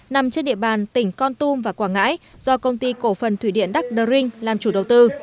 nằm trên địa bàn tỉnh con tum và quảng ngãi do công ty cổ phần thủy điện đắc đơ rinh làm chủ đầu tư